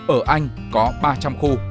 ở anh có ba trăm linh khu